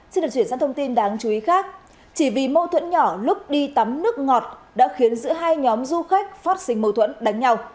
xin được chuyển sang thông tin đáng chú ý khác chỉ vì mâu thuẫn nhỏ lúc đi tắm nước ngọt đã khiến giữa hai nhóm du khách phát sinh mâu thuẫn đánh nhau